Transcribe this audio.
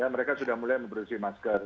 mereka sudah mulai memproduksi masker